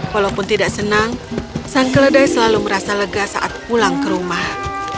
walaupun tidak senang sang keledai selalu merasa lega saat pulang ke rumah